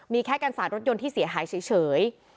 มีแค่กันสาดรถยนต์ที่เสียหายเฉย